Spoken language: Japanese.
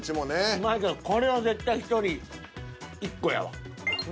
うまいけどこれは絶対１人１個やわ。